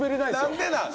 何でなん！